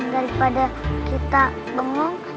daripada kita bengong